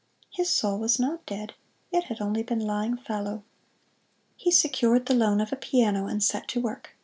His soul was not dead it had only been lying fallow. He secured the loan of a piano and set to work.